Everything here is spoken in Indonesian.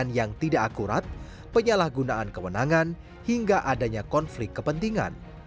yang tidak akurat penyalahgunaan kewenangan hingga adanya konflik kepentingan